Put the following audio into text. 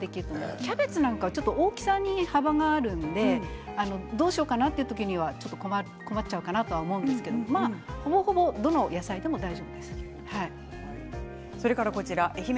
キャベツなんかは大きさに幅があるのでどうしようかなという時にはちょっと困っちゃうかなとは思うんですけどほぼほぼどの野菜でも大丈夫です。